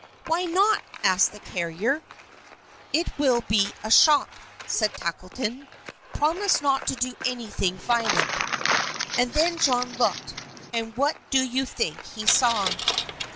"Why not?" asked the carrier. "It will be a shock," said Tackleton. "Promise not to do anything violent." And then John looked, and what do you think he saw?